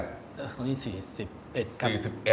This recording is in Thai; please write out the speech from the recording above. ตอนนี้๔๑ครับ